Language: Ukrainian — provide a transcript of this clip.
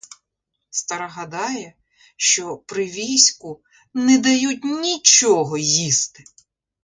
Стара гадає, що при війську не дають нічого їсти!